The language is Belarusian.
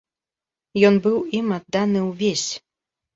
Ён быў ім адданы ўвесь.